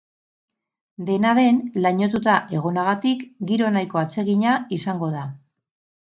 Dena den, lainotuta egonagatik, giro nahiko atsegina izango da.